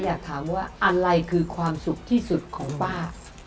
อยากถามว่าอะไรคือความสุขที่สุดของป้า